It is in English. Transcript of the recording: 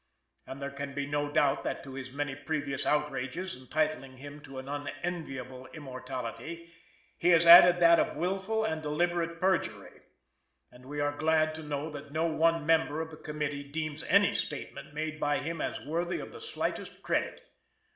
And there can be no doubt that to his many previous outrages, entitling him to an unenviable immortality, he has added that of wilful and deliberate perjury; and we are glad to know that no one member of the committee deems any statement made by him as worthy of the slightest credit.